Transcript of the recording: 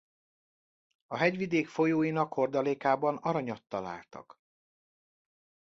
A hegyvidék folyóinak hordalékában aranyat találtak.